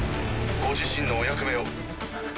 ご自身のお役目を。